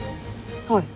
はい。